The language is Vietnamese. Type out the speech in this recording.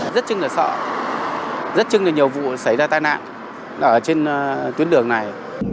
rất chừng là sợ rất chừng là nhiều vụ xảy ra tai nạn ở trên tuyến đường này